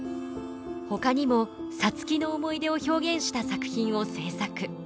ほかにも皐月の思い出を表現した作品を制作。